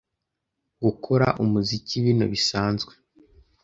Gukora umuziki bino bisanzwe